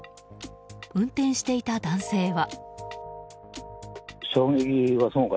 運転していた男性は。